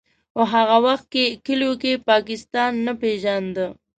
خو په هغه وخت کې کلیو کې پاکستان نه پېژانده.